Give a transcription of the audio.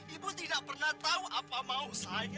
ibu tidak pernah tahu apa mau saya